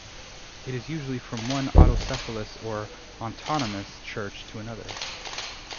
It is usually from one autocephalous or autonomous church to another.